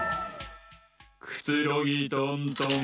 くつろぎトントン。